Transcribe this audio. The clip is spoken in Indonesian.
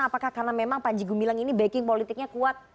apakah karena memang panji gumilang ini backing politiknya kuat